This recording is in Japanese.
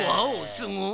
すごい。